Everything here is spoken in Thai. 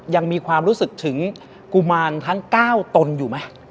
ยังมีความรู้สึกถึงกุมารทั้ง๙ตนอยู่ไหม